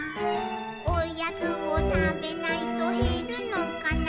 「おやつをたべないとへるのかな」